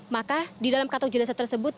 maka di dalam kantong jenazah tersebut